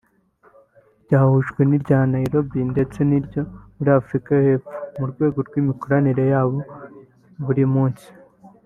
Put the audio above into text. ryahujwe n’irya Nairobi ndetse n’iryo muri Afurika y’Epfo mu rwego rw`imikoranire ya buri munsi